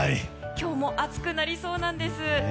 今日も暑くなりそうなんです。